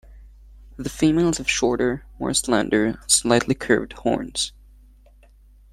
The females have shorter, more slender, slightly curved horns.